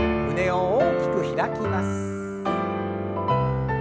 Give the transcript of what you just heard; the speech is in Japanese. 胸を大きく開きます。